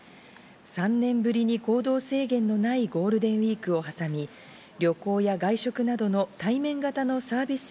３年ぶりに行動制限のないゴールデンウイークを挟み、旅行や外食などの対面型のサービス